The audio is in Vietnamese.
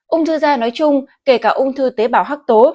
ung thư da nói chung kể cả ung thư tế bào hắc tố